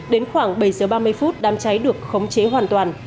đến khoảng bảy giờ ba mươi phút đám cháy được khống chế hoàn toàn